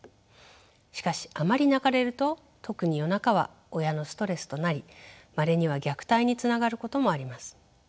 しかしあまり泣かれると特に夜中は親のストレスとなりまれには虐待につながることもあります。